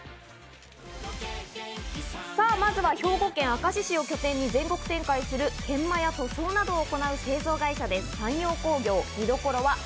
まずはこちら、兵庫県明石市を拠点に全国展開する、研磨や塗装などを行う製造会社・三陽工業。